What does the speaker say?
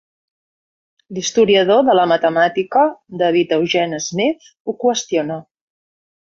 L'historiador de la matemàtica David Eugene Smith ho qüestiona.